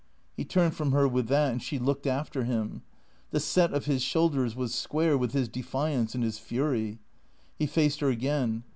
He turned from her with that, and she looked after him. The set of his shoulders was square with his defiance and his fury. He faced her again.